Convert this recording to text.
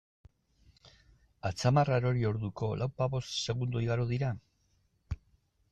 Atzamarra erori orduko, lauzpabost segundo igaro dira?